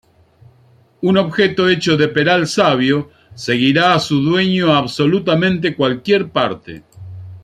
Un objeto hecho de peral sabio seguirá a su dueño a absolutamente cualquier parte.